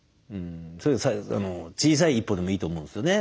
小さい一歩でもいいと思うんですよね。